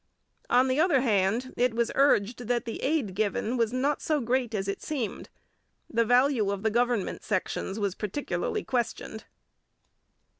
On the other hand, it was urged that the aid given was not so great as it seemed. The value of the government sections was particularly questioned.